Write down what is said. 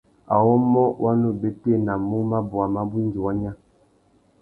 Awômô wa nu bétēnamú mabôwa mabú indi wa nya.